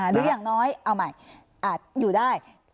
หรืออย่างน้อยเอาใหม่อาจอยู่ได้